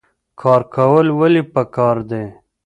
کار کول ولې پکار دي؟